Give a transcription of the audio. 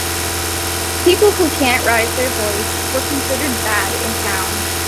people who cant rise their voice were considered bad in town